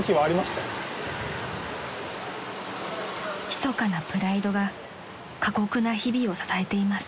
［ひそかなプライドが過酷な日々を支えています］